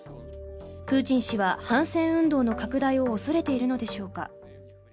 プーチン氏は反戦運動の拡大を恐れているのでしょうか。